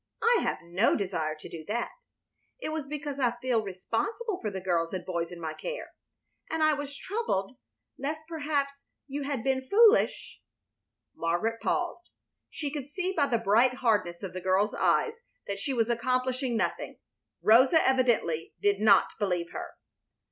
I have no desire to do that. It was because I feel responsible for the girls and boys in my care, and I was troubled lest perhaps you had been foolish " Margaret paused. She could see by the bright hardness of the girl's eyes that she was accomplishing nothing. Rosa evidently did not believe her.